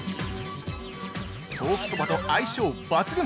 ソーキそばと相性抜群！！